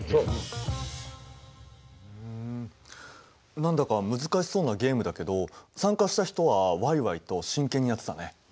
何だか難しそうなゲームだけど参加した人はワイワイと真剣にやってたね。